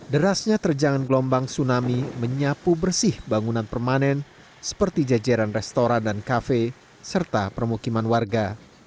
derasnya terjangan gelombang tsunami menyapu bersih bangunan permanen seperti jajaran restoran dan kafe serta permukiman warga